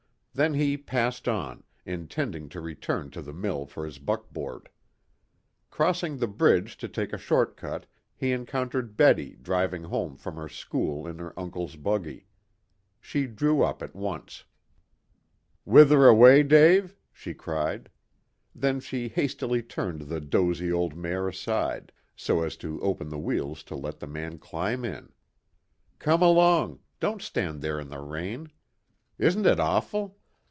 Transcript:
Then he passed on, intending to return to the mill for his buckboard. Crossing the bridge to take a short cut, he encountered Betty driving home from her school in her uncle's buggy. She drew up at once. "Whither away, Dave?" she cried. Then she hastily turned the dozy old mare aside, so as to open the wheels to let the man climb in. "Come along; don't stand there in the rain. Isn't it awful?